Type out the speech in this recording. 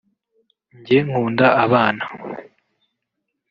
Njye nkunda abana